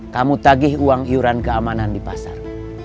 kamu tagih uang iuran keamanan di pasar